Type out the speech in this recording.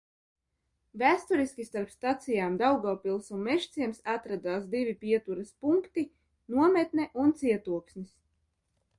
Vēsturiski starp stacijām Daugavpils un Mežciems atradās divi pieturas punkti: Nometne un Cietoksnis.